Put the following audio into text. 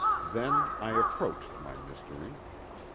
Then I approached my mystery.